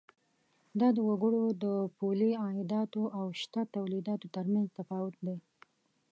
دا د وګړو د پولي عایداتو او شته تولیداتو تر مینځ تفاوت دی.